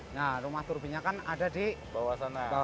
nah rumah turbinya kan ada di bawah sana